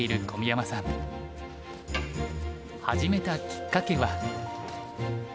始めたきっかけは。